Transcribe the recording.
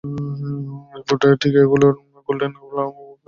এরপর টিকিয়াগুলো golden brown colour করে ভেজে তুলে নিন।